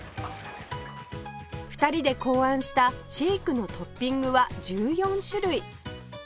２人で考案したシェイクのトッピングは１４種類